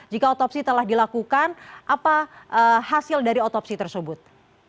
jika otopsi telah dilakukan apa hasil dari otopsi tersebut